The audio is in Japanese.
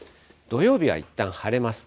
土曜日はいったん晴れます。